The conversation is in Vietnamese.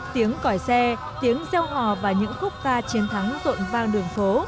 tiếng còi xe tiếng gieo hò và những khúc ca chiến thắng rộn vang đường phố